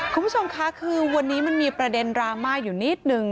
คุณผู้ชมคะคือวันนี้มันมีประเด็นดราม่าอยู่นิดนึง